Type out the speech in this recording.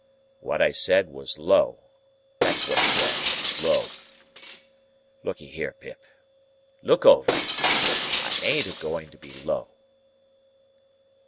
What I said was low; that's what it was; low. Look'ee here, Pip. Look over it. I ain't a going to be low."